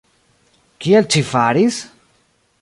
Kiel ci faris?